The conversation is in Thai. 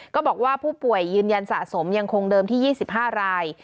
ก็บอกว่าผู้ป่วยยืนยันสะสมยังคงเดิมที่๒๕ราย